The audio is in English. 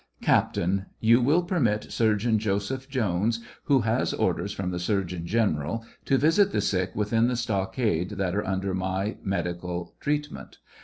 Captain : You will permit Surgeon Joseph Jones, who has orders from the surgeon general, to visit the sick within the stockade that are under my medical treatment.